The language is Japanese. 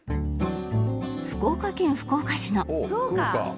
福岡県福岡市の